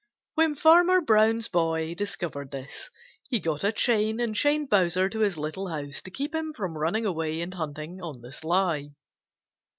When Farmer Brown's boy discovered this, he got a chain and chained Bowser to his little house to keep him from running away and hunting on the sly.